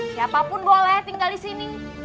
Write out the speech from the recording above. siapapun boleh tinggal disini